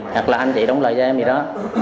hoặc là anh chị đóng lời cho em gì đó